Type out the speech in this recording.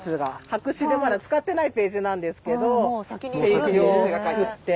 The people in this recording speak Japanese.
白紙でまだ使ってないページなんですけどページを作って。